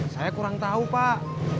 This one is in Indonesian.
saya kurang tahu pak